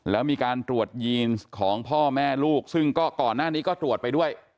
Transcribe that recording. แล้วมีการตรวจยีนของพ่อแม่ลูกซึ่งก็ก่อนหน้านี้ก็ตรวจไปด้วย